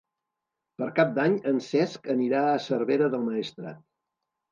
Per Cap d'Any en Cesc anirà a Cervera del Maestrat.